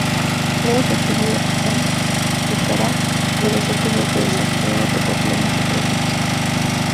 Luego se adquirió un Pucará pero se tuvo que desactivar otro por problemas operativos.